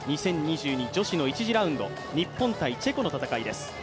２０２２女子の１次ラウンド日本×チェコの戦いです